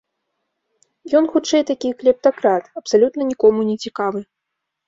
Ён, хутчэй, такі клептакрат, абсалютна нікому не цікавы.